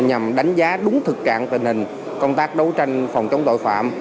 nhằm đánh giá đúng thực trạng tình hình công tác đấu tranh phòng chống tội phạm